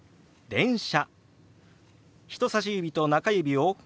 「電車」。